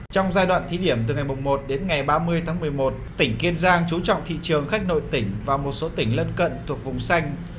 trong giai đoạn thí điểm từ ngày một đến ngày ba mươi tháng một mươi một tỉnh kiên giang chú trọng thị trường khách nội tỉnh và một số tỉnh lân cận thuộc vùng xanh